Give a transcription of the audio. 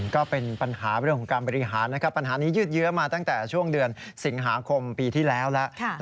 ก็เป็นปัญหาเรื่องการบริหารที่ยืดเยอะมาตั้งแต่ช่วงเดือนสิงหาคมปีที่แล้วแล้ว